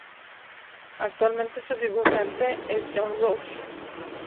Actualmente su dibujante es John Rose.